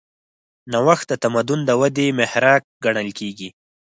نوښت د تمدن د ودې محرک ګڼل کېږي.